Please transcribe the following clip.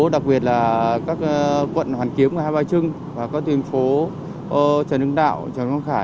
đặc biệt là các quận hoàn kiếm hai ba trưng các tuyến phố trần hưng đạo trần quang khả